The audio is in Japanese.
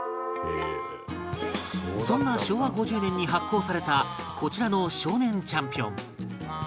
そんな昭和５０年に発行されたこちらの『少年チャンピオン』